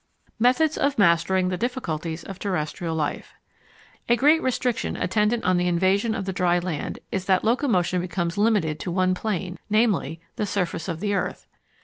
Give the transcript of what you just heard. Methods of Mastering the Difficulties of Terrestrial Life A great restriction attendant on the invasion of the dry land is that locomotion becomes limited to one plane, namely, the surface of the earth.